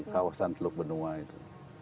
kawasan teluk benoa itu